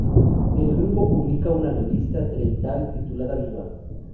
El grupo publica una revista trienal titulada "Viva!